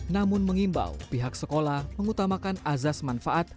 namun mengimbau pihak sekolah mengutamakan azas manfaat